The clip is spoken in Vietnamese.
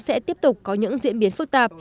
sẽ tiếp tục có những diễn biến phức tạp